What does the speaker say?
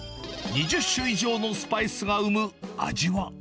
２０種以上のスパイスが生む味は。